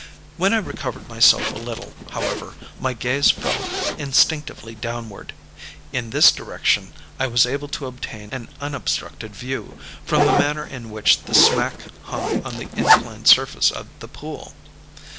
When I recovered myself a little, however, my gaze fell instinctively downward. In this direction I was able to obtain an unobstructed view, from the manner in which the smack hung on the inclined surface of the pool.